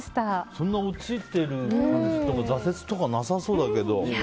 そんな落ちてる感じとか挫折とかなさそうだけど。